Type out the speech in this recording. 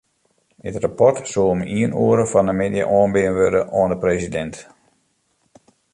It rapport soe om ien oere fan 'e middei oanbean wurde oan de presidint.